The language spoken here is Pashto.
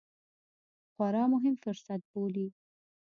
خورا مهم فرصت بولي